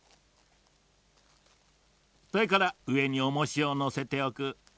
それからうえにおもしをのせておく。